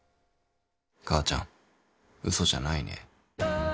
母ちゃん、嘘じゃないね。